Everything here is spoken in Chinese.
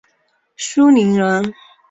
舒磷人。